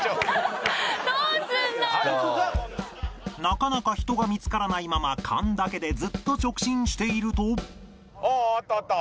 なかなか人が見つからないまま勘だけでずっと直進していると